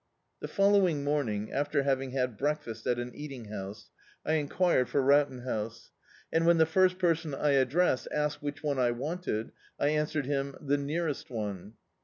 The following morning, after having had break fast at an eating house, I enquired for Rowton House, and when the first person I addressed asked which one I wanted, I answered him — "the nearest one."